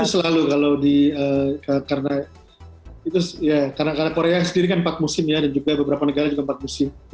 saya selalu kalau karena itu ya kadang kadang korea sendiri kan empat musim ya dan juga beberapa negara juga empat musim